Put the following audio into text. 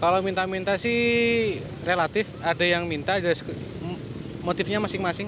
kalau minta minta sih relatif ada yang minta motifnya masing masing